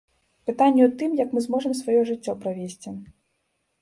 Пытанне ў тым, як мы зможам сваё жыццё правесці.